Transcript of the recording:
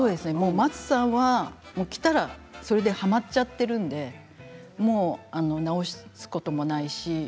松さんは着たらそれではまっちゃっているので直すこともないし